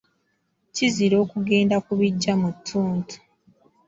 Kizira okugenda ku biggya mu ttuntu.